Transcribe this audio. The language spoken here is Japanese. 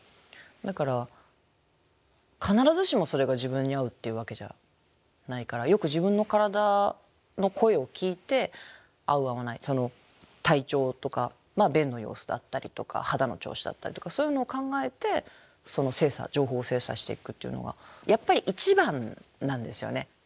だから必ずしもそれが自分に合うっていうわけじゃないからよく自分の体の声を聞いて合う合わない体調とか便の様子だったりとか肌の調子だったりとかそういうのを考えて情報精査していくっていうのがやっぱり一番なんですよね。